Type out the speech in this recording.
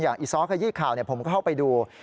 อย่างอีซ้อสกับยี่ข่าวผมเข้าไปดู